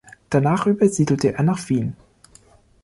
Danach übersiedelte er nach Wien.